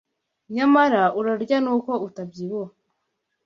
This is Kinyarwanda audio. Nyamara Urarya ni uko utabyibuha